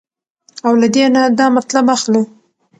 او له دې نه دا مطلب اخلو